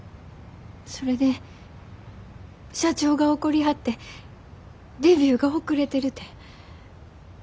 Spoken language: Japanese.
それで社長が怒りはってデビューが遅れてるて。